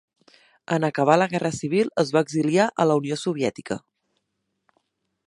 En acabar la guerra civil es va exiliar a la Unió Soviètica.